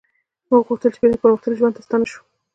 موږ غوښتل چې بیرته پرمختللي ژوند ته ستانه شو